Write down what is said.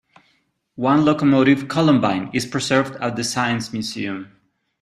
One locomotive, "Columbine", is preserved at the Science Museum.